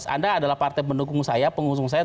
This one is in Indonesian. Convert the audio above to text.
anda adalah partai pendukung saya pengusung saya